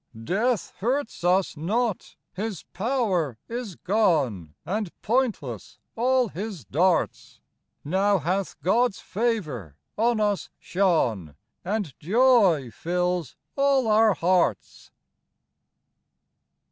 Death hurts us not : his power is gone, And pointless all his darts ; Now hath God's favor on us shone, And joy fills all our hearts.